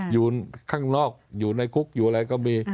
อยู่ข้างนอกอยู่ในคุกอยู่อะไรก็มี